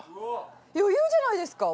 余裕じゃないですか。